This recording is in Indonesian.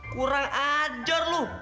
kurang ajar lo